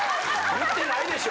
言ってないでしょ